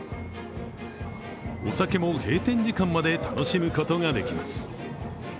お酒も閉店時間まで楽しむことができます。